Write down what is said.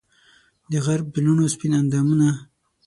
دغرب د لوڼو سپین اندامونه